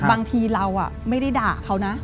บางทีเราไม่ได้ด่าเขานะ